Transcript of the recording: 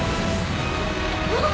あっ。